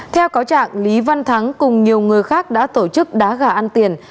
theo cáo trạng lý văn thắng cùng nhiều người khác đã tổ chức đá gà ăn tiền